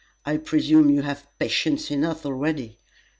I presume you have patients enough already!"